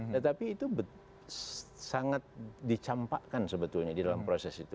tetapi itu sangat dicampakkan sebetulnya di dalam proses itu